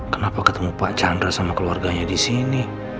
kenapa ketemu pak chandra sama keluarganya di sini